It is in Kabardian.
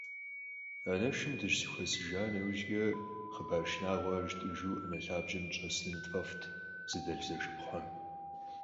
Анэшым дыщызэхуэсыжа нэужькӏэ, хъыбар шынагъуэхэр жытӏэжу ӏэнэ лъабжьэм дыщӏэсыныр тфӏэфӏт зэдэлъхузэшыпхъухэм.